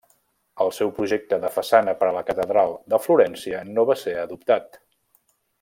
El seu projecte de façana per a la catedral de Florència no va ser adoptat.